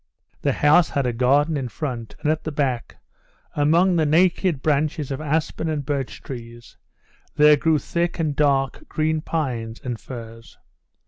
The house had a garden in front, and at the back, among the naked branches of aspen and birch trees, there grew thick and dark green pines and firs.